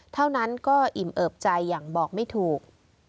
เท่านั้นก็อิ่มเอิบใจอย่างบอกไม่ถูก